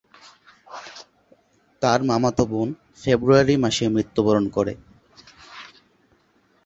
তার মামাতো বোন ফেব্রুয়ারি মাসে মৃত্যুবরণ করে।